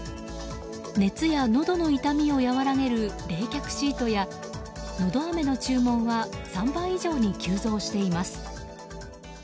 熱やのどの痛みを和らげる冷却シートやのど飴の注文は３倍以上に急増しています。